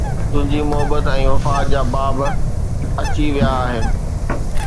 تنهنجي محبت ۽ وفا جا باب اچي ويا آهن